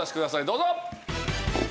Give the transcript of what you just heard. どうぞ！